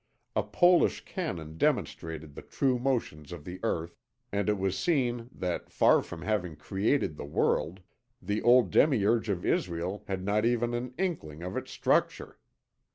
A Polish Canon demonstrated the true motions of the earth, and it was seen that, far from having created the world, the old demiurge of Israel had not even an inkling of its structure.